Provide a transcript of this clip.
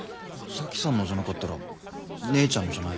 沙樹さんのじゃなかったら姉ちゃんのじゃないの？